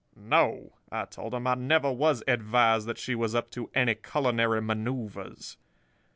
No,' I told him. 'I never was advised that she was up to any culinary manoeuvres.